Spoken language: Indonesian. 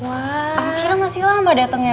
akhirnya masih lama datengnya